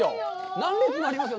何列もありますよ。